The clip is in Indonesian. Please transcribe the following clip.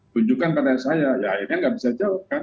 tunjukkan pada saya ya akhirnya nggak bisa jawab kan